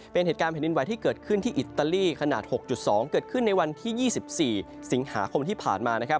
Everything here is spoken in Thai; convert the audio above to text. เป็นเหตุการณ์แผ่นดินไหวที่เกิดขึ้นที่อิตาลีขนาด๖๒เกิดขึ้นในวันที่๒๔สิงหาคมที่ผ่านมานะครับ